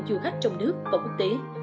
du khách trong nước và quốc tế